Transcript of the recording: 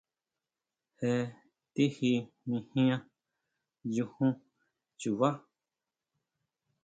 Je tiji mijian, nyujún chubá.